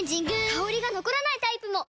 香りが残らないタイプも！